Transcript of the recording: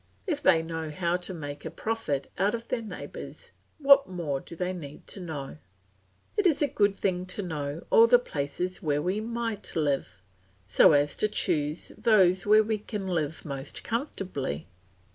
If they know how to make a profit out of their neighbours, what more do they need to know? It is a good thing to know all the places where we might live, so as to choose those where we can live most comfortably.